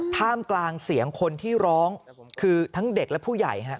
ท่ามกลางเสียงคนที่ร้องคือทั้งเด็กและผู้ใหญ่ฮะ